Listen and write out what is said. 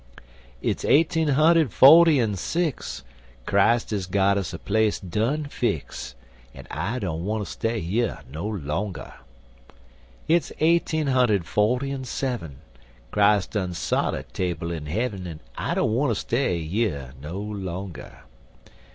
Hit's eighteen hunder'd forty en six, Christ is got us a place done fix An' I don't wanter stay yer no longer; Hit's eighteen hunder'd forty en sev'm Christ done sot a table in Hev'm An' I don't wanter stay yer no longer.